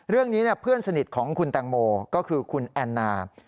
เรื่องนี้เพื่อนสนิทของคุณแตงโมก็คือคุณแอนนา